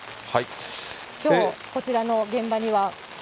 きょう、こちらの現場には。